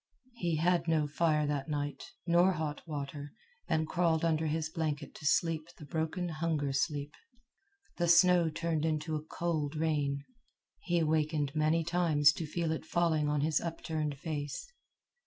He had no fire that night, nor hot water, and crawled under his blanket to sleep the broken hunger sleep. The snow turned into a cold rain. He awakened many times to feel it falling on his upturned face.